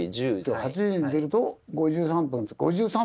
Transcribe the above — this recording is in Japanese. ８時に出ると５３分に着く。